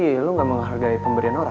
kalau gak hormat yang bendera